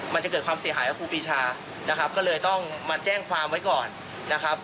มันจะเกิดความเสียหายกับครูปีชานะครับก็เลยต้องมาแจ้งความไว้ก่อนนะครับ